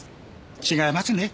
違いますね。